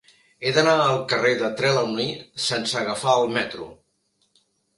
He d'anar al carrer de Trelawny sense agafar el metro.